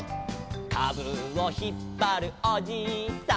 「かぶをひっぱるおじいさん」